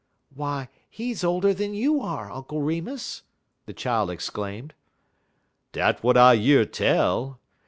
"Why, he's older than you are, Uncle Remus!" the child exclaimed. "Dat w'at I year tell.